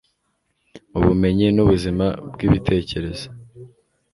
ubumenyi nubuzima bwibitekerezo